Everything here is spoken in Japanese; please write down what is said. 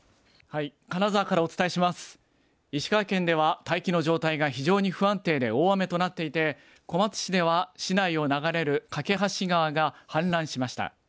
石川県では大気の状態が非常に不安定で、大雨となっていて、小松市では市内を流れる梯川が氾濫しました。